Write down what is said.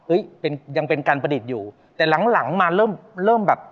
ยังเป็นการประดิษฐ์อยู่แต่หลังหลังมาเริ่มเริ่มแบบ